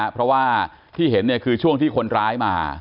เพราะว่าที่เห็นคือช่วงที่คนร้ายมา